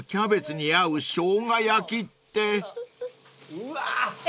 うわ。